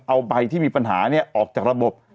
เอาใบที่มีปัญหาออกจากระบบ